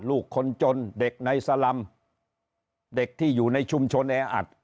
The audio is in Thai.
ลูกคนจนเด็กในสลำเด็กที่อยู่ในชุมชนแออัด